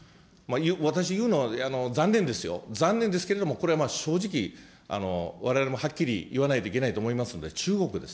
私言うのは残念ですよ、残念ですけれども、これはまあ正直、われわれもはっきり言わないといけないと思いますので、中国です。